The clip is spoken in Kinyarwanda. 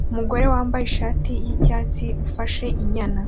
Umugore wambaye ishati yicyatsi ufashe inyana